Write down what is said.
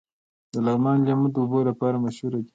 د لغمان لیمو د اوبو لپاره مشهور دي.